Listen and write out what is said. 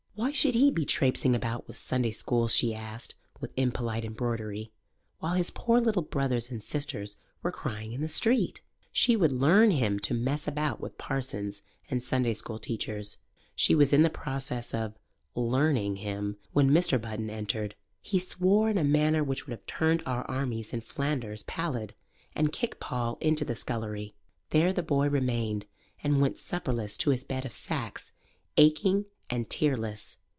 Why should he be trapesing about with Sunday schools, she asked, with impolite embroidery, while his poor little brothers and sisters were crying in the street? She would learn him to Mess about with parsons and Sunday school teachers. She was in process of "learning" him when Mr. Button entered. He swore in a manner which would have turned our armies in Flanders pallid, and kicked Paul into the scullery. There the boy remained and went supperless to his bed of sacks, aching and tearless.